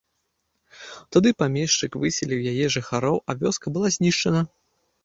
Тады памешчык выселіў яе жыхароў, а вёска была знішчана.